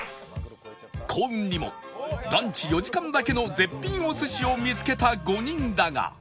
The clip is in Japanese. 幸運にもランチ４時間だけの絶品お寿司を見つけた５人だが